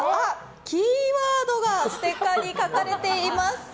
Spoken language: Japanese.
キーワードがステッカーに書かれています！